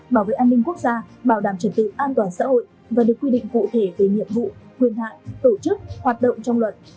bảo vệ an ninh quốc gia bảo đảm trật tự an toàn xã hội và được quy định cụ thể về nhiệm vụ quyền hạn tổ chức hoạt động trong luật